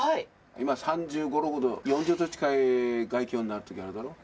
今３５度ほど、４０度近い外気温になるとき、あるだろう。